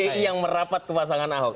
pdi yang merapat ke pasangan ahok